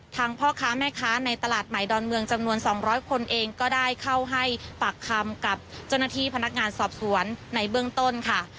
พ่อค้าแม่ค้าในตลาดใหม่ดอนเมืองจำนวน๒๐๐คนเองก็ได้เข้าให้ปากคำกับเจ้าหน้าที่พนักงานสอบสวนในเบื้องต้นค่ะ